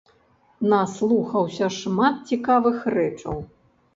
Наслухалася шмат цікавых рэчаў.